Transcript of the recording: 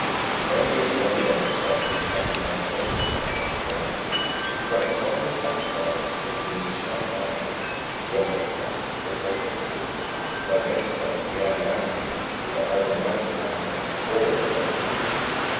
And when he had levied on the stock of a second hand clothing shop and a chemist's, he felt tolerably satisfied it would need sharp eyes whether the Pack's or the Préfecture's to identify "Pierre Lamier" with either Michael Lanyard or the Lone Wolf.